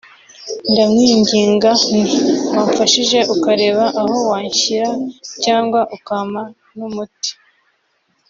ndamwinginga nti wamfashije ukareba aho wanshyira cyangwa ukampa n’umuti